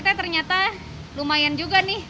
ternyata lumayan juga nih